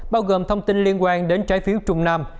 bao gồm thông tin liên quan đến trái phiếu trung nam